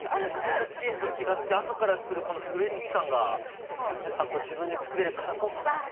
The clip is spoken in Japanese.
普通のチーズと違って後からくるこのフルーティー感がやっぱこう自分で作れるからこその。